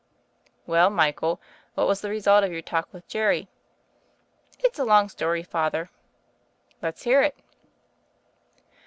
"Well, Michael what was the result of your talk with Jerry?" "It's a long story, Father." "Let's hear it."